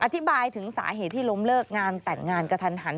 อธิบายถึงสาเหตุที่ล้มเลิกงานแต่งงานกระทันหัน